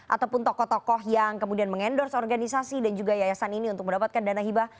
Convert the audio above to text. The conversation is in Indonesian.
ataupun tokoh tokoh yang kemudian mengendorse organisasi dan juga yayasan ini untuk mendapatkan dana hibah